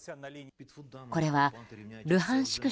これはルハンシク